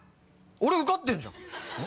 俺受かってんじゃん。